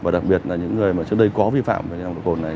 đặc biệt là những người trước đây có vi phạm về nồng độ cồn